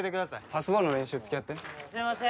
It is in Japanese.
パスボールの練習つきあってすいません